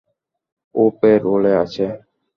ও পে-রোলে আছে।